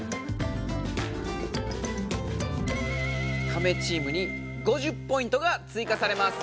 カメチームに５０ポイントがついかされます。